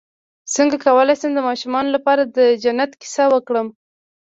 څنګه کولی شم د ماشومانو لپاره د جنت کیسه وکړم